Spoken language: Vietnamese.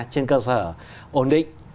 trên cơ sở ổn định